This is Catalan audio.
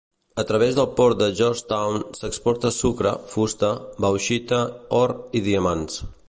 A través del port de Georgetown s'exporta sucre, fusta, bauxita, or i diamants.